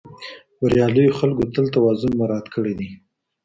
بریالیو خلکو تل توازن مراعات کړی دی.